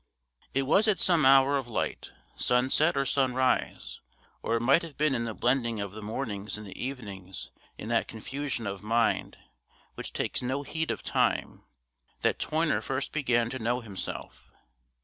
It was at some hour of light sunset or sunrise, or it might have been in the blending of the mornings and the evenings in that confusion of mind which takes no heed of time that Toyner first began to know himself.